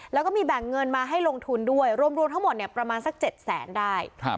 แล้วก็มีแบ่งเงินมาให้ลงทุนด้วยรวมทั้งหมดประมาณสัก๗แสนได้